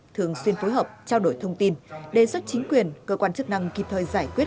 thường xuyên phối hợp trao đổi thông tin đề xuất chính quyền cơ quan chức năng kịp thời giải quyết